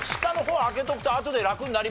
あとで楽になりますからね。